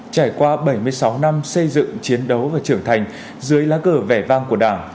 trải qua bảy mươi sáu năm xây dựng chiến đấu và trưởng thành dưới lá cờ vẻ vang của đảng